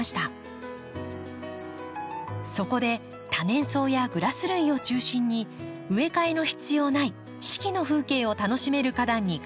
そこで多年草やグラス類を中心に植え替えの必要ない四季の風景を楽しめる花壇にかえたのです。